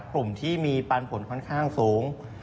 กลุ่มที่มีปันผลค่อนข้างสูง